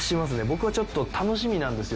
僕はちょっと楽しみなんですよ